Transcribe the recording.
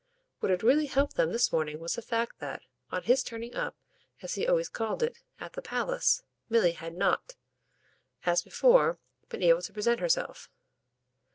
What had really helped them this morning was the fact that, on his turning up, as he always called it, at the palace, Milly had not, as before, been able to present herself.